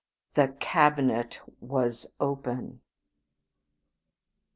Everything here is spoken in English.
The cabinet was open!